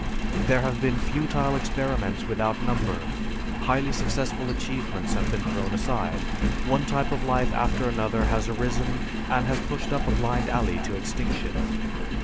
There have been futile experiments without number; highly successful achievements have been thrown aside; one type of life after another has arisen and has pushed up a blind alley to extinction.